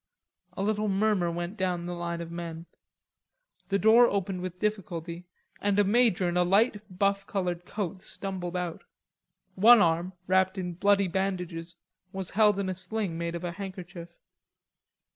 A little murmur went down the line of men. The door opened with difficulty, and a major in a light buff colored coat stumbled out. One arm, wrapped in bloody bandages, was held in a sling made of a handkerchief.